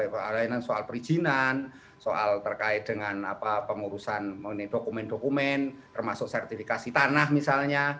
layanan soal perizinan soal terkait dengan pengurusan mengenai dokumen dokumen termasuk sertifikasi tanah misalnya